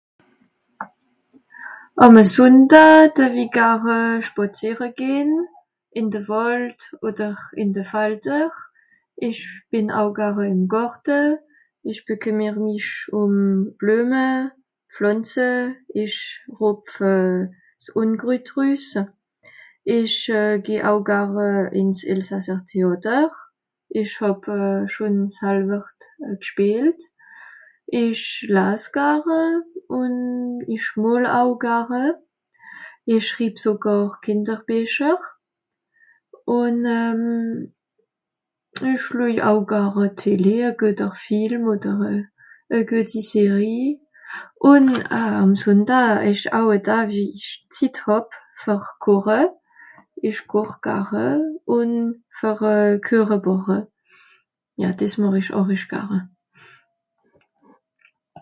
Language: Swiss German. Àm Sundaa due-w-i gare spàzìere gehn ìn de Wàld, oder ìn de Falter. Ìch bìn au gare ìm Gàrte. ìch bekìmer mìch ùm Blueme, Pflànze... Ìch ropf s'Unkrütt rüs. Ìch geh au gare ìns s'Elsasser Theàter. ìch hab schon salwer gspìelt. Ìch laas gare ùn ìch mool au gare. Ìch schribb sogàr Kìnderbìecher. Ùn ìch luej au gare Télé, e gueter Film oder e gueti Série. Ùn àm Sundaa ìsch au e Daa, wie ìch Zitt hàb fer koche. Ìch koch gare ùn fer Kueche bàche. Ja, dìs màch ìch àrisch gare.